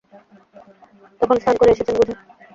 তখন স্নান করে এসেছেন বুঝি?